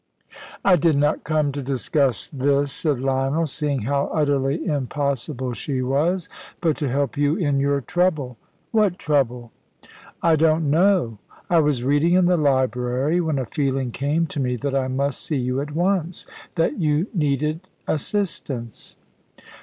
"I did not come to discuss this," said Lionel, seeing how utterly impossible she was, "but to help you in your trouble." "What trouble?" "I don't know. I was reading in the library, when a feeling came to me that I must see you at once that you needed assistance."